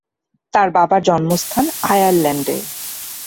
তার বাবার জন্মস্থান আয়ারল্যান্ডে।